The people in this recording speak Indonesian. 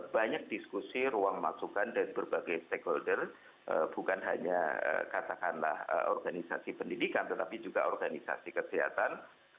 banyak diskusi ruang masukan dari berbagai stakeholder bukan hanya katakanlah organisasi pendidikan tetapi juga organisasi kesehatan